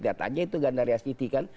lihat aja itu gandaria city kan